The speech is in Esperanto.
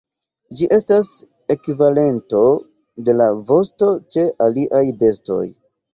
Ĝi estas ekvivalento de la vosto ĉe aliaj bestoj.